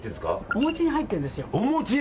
お餅に入ってるんです。